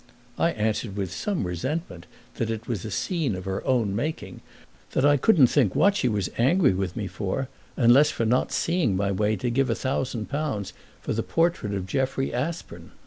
I answered with some resentment that it was a scene of her own making that I couldn't think what she was angry with me for unless for not seeing my way to give a thousand pounds for the portrait of Jeffrey Aspern.